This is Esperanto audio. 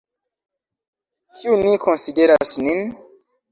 Kiu ni konsideras nin?